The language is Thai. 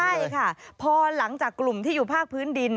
ใช่ค่ะพอหลังจากกลุ่มที่อยู่ภาคพื้นดิน